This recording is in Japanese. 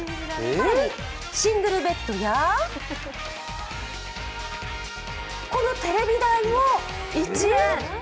更にシングルベッドやこのテレビ台も１円。